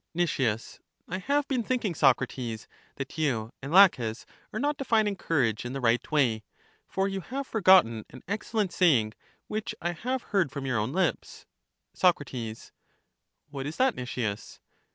Nic. I have been thinking, Socrates, that you and Laches are not defining courage in the right way; for you have forgotten an excellent saying which I have heard from your own lips. Soc, What is that, Nicias?